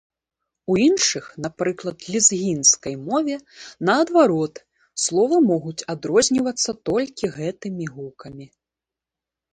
У іншых, напрыклад лезгінскай мове, наадварот, словы могуць адрознівацца толькі гэтымі гукамі.